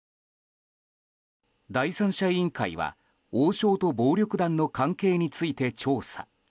第三者委員会は王将と暴力団の関係について調査。